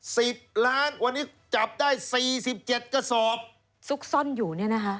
สิบล้านวันนี้จับได้สี่สิบเจ็ดกระสอบซุกซ่อนอยู่เนี่ยนะคะ